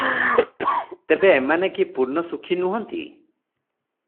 ତେବେ ଏମାନେ କି ପୂର୍ଣ୍ଣ ସୁଖୀ ନୁହନ୍ତି?